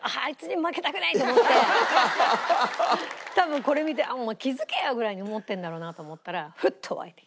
多分これ見て「気づけよ！」ぐらいに思ってるんだろうなと思ったらフッと湧いて。